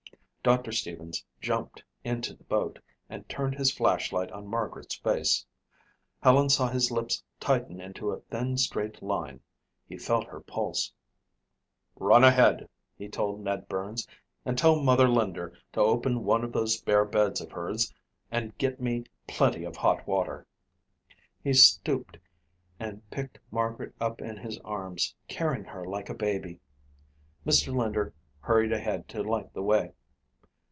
Doctor Stevens jumped into the boat and turned his flashlight on Margaret's face. Helen saw his lips tighten into a thin straight line. He felt her pulse. "Run ahead," he told Ned Burns, "and tell Mother Linder to open one of those spare beds of hers and get me plenty of hot water." He stooped and picked Margaret up in his arms, carrying her like a baby. Mr. Linder hurried ahead to light the way.